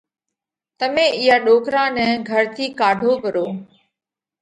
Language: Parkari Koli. تمي اِيئا ڏوڪرا نئہ گھر ٿِي ڪاڍو پرو۔